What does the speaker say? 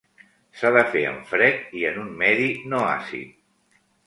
S'ha de fer en fred i en un medi no àcid.